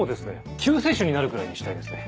救世主になるくらいにしたいですね。